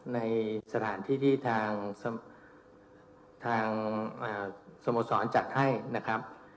ในสถานที่ที่ทางสโมสรจัดให้นะครับ